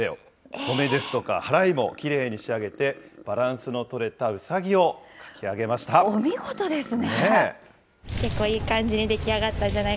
とめですとかはらいもきれいに仕上げて、バランスの取れた卯を書お見事ですね。